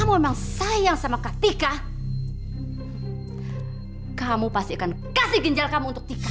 mengunci saya di dalam